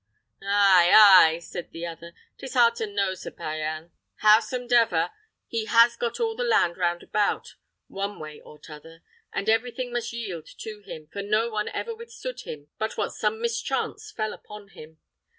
"Ay! ay!" said the other; "'tis hard to know Sir Payan. Howsomdever, he has got all the land round about, one way or t'other, and everything must yield to him, for no one ever withstood him but what some mischance fell upon him.